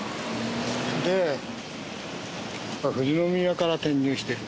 で富士宮から転入してる。